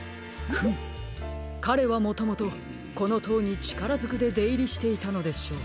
フムかれはもともとこのとうにちからづくででいりしていたのでしょう。